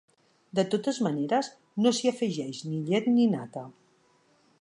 De totes maneres, no s'hi afegeix ni llet ni nata.